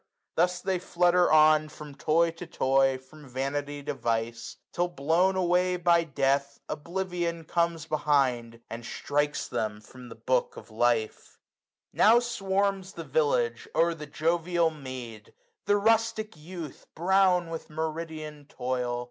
Thus they flutter on From toy to toy, from vanity to vice } Till, blown away by death, oblivion comes 350 Behind, and strikes them from the book of life. SUMMER. 8) Now swarms the village o'er the jovial mead : The rustic youth, brown with meridian toil.